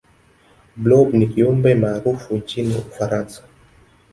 blob ni kiumbe maarufu nchini ufaransa